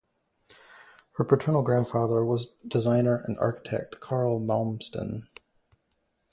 Her paternal grandfather was designer and architect Carl Malmsten.